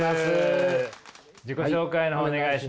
自己紹介の方お願いします。